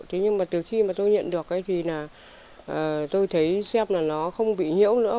thế nhưng mà từ khi mà tôi nhận được ấy thì là tôi thấy xem là nó không bị nhiễu nữa